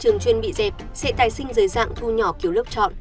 trường chuyên bị dẹp sẽ tài sinh dưới dạng thu nhỏ kiểu lớp chọn